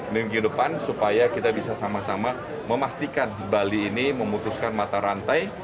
minggu depan supaya kita bisa sama sama memastikan bali ini memutuskan mata rantai